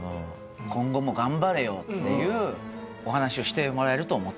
「今後も頑張れよ」っていうお話をしてもらえると思ってました